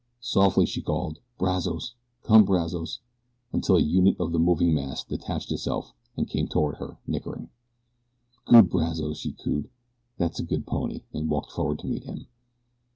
Softly she called: "Brazos! Come, Brazos!" until a unit of the moving mass detached itself and came toward her, nickering. "Good Brazos!" she cooed. "That's a good pony," and walked forward to meet him.